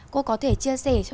cô có thể chia sẻ